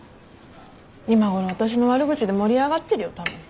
今ごろ私の悪口で盛り上がってるよたぶん。